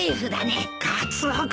カツオ君！